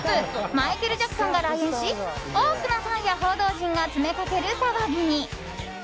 マイケル・ジャクソンが来園し多くのファンや報道陣が詰めかける騒ぎに。